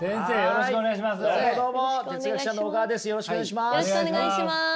よろしくお願いします。